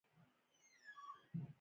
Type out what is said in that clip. د غیر ضروري ادارو شتون تاوان دی.